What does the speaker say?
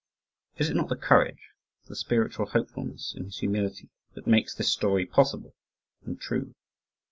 Is it not the courage the spiritual hopefulness in his humility that makes this story possible and true?